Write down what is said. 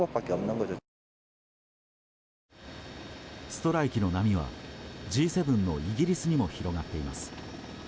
ストライキの波は、Ｇ７のイギリスにも広がっています。